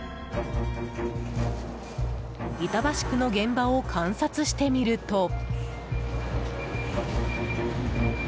板橋区の現場を観察してみると。